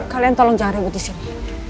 kalian tolong jangan rebut di sini